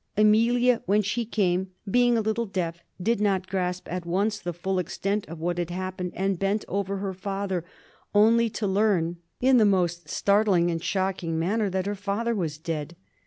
Amelia, when she came, being a little deaf, did not grasp at once the full extent of what had happened, and bent over her father only to learn in the most startling and shocking manner that her father was dead.